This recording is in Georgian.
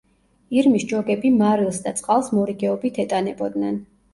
ირმის ჯოგები მარილს და წყალს მორიგეობით ეტანებოდნენ.